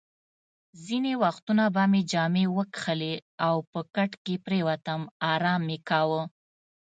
ځینې وختونه به مې جامې وکښلې او په کټ کې پرېوتم، ارام مې کاوه.